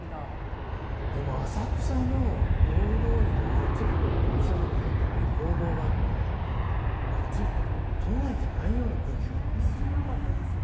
でも浅草の大通りの裏ちょっとお店の中に入ったらああいう工房があってちょっと都内じゃないような空気感があったんです。